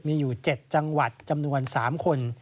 มีอยู่๗จังหวัดจำนวน๓คน